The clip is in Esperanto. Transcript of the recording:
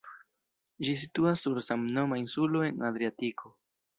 Ĝi situas sur samnoma insulo en Adriatiko.